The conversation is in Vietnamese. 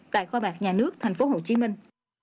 tại khoa bạc nhà nước thành phố hồ chí minh